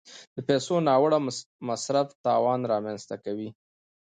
د پیسو ناوړه مصرف تاوان رامنځته کوي.